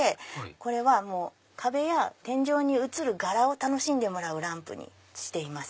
これは壁や天井に映る柄を楽しんでもらうランプにしてます。